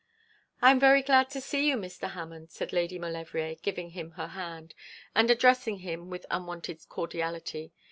'I am very glad to see you, Mr. Hammond,' said Lady Maulevrier, giving him her hand, and addressing him with unwonted cordiality.